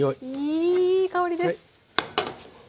いい香りです。